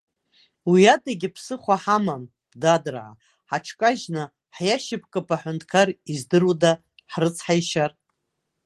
Уи адагьы ԥсыхәа ҳамам, дадраа, ҳаҽкажьны ҳиашьапкып аҳәынҭқар, издыруада ҳрыцҳаишьар?